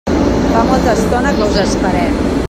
Fa molta estona que us esperem.